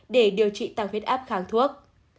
để điều trị tăng huyết áp kháng thuốc